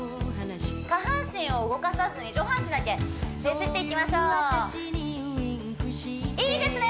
下半身を動かさずに上半身だけねじっていきましょういいですね